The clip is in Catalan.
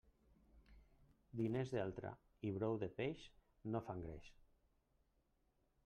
Diners d'altri i brou de peix no fan greix.